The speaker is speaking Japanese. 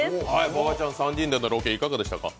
馬場ちゃん、３人でのロケ、いかがでしたか？